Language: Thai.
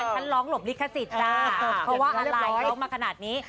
คั้นล้องหลบลิขศิษย์จ้าเพราะว่าอัลลายล้องมาขนาดนี้